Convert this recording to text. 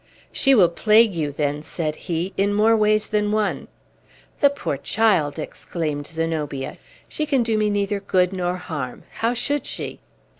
"She will plague you, then," said he, "in more ways than one." "The poor child!" exclaimed Zenobia. "She can do me neither good nor harm. How should she?"